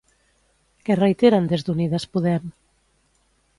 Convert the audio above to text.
Què reiteren des d'Unides Podem?